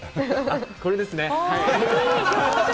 これですね。